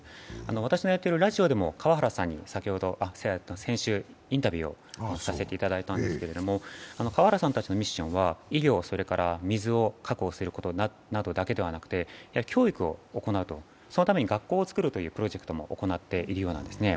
私のやっているラジオにも川原さんに先週、インタビューをさせていただいたんですけれども、川原さんたちのミッションは医療、水を確保することなどだけではなくて教育を行うと、そのために学校をつくるというプロジェクトも行っているようなんですね。